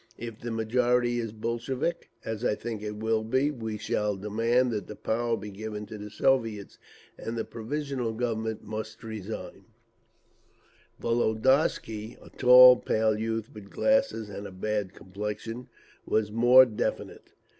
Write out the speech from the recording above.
If the majority is Bolshevik, as I think it will be, we shall demand that the power be given to the Soviets, and the Provisional Government must resign…." Volodarsky, a tall, pale youth with glasses and a bad complexion, was more definite.